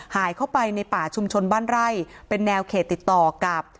หายเข้าไปในป่าชุมชนบ้านไร่เป็นแนวเขตติดต่อกับ